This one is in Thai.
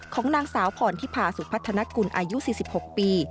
ของนางสาวพรทิพาสุพัฒนกุลอายุ๔๖ปี